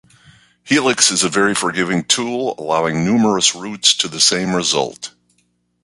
Helix is a very forgiving tool, allowing numerous routes to the same result.